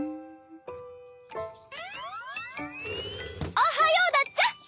おはようだっちゃ！